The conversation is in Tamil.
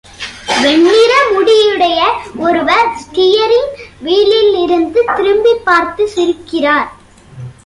வெண்ணிற முடியுடைய ஒருவர் ஸ்டீயரிங் வீலில் இருந்து திரும்பிப் பார்த்து சிரிக்கிறார்.